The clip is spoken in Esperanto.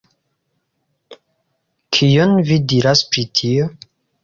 Kion vi diras pri tio?